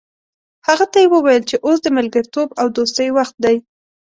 هغه ته یې وویل چې اوس د ملګرتوب او دوستۍ وخت دی.